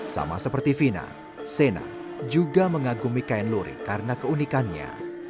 sama seperti vina sena juga mengagumi kain lurik karena keunikannya